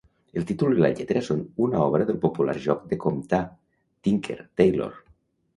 El títol i la lletra són una obra del popular joc de comptar, Tinker, Tailor.